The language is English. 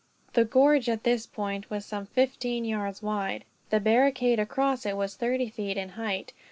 The gorge, at this point, was some fifteen yards wide. The barricade across it was thirty feet in height.